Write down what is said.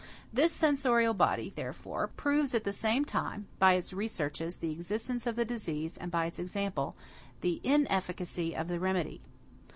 This censorial body, therefore, proves at the same time, by its researches, the existence of the disease, and by its example, the inefficacy of the remedy.